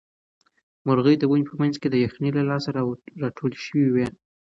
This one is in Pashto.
مرغۍ د ونې په منځ کې د یخنۍ له لاسه راټولې شوې وې.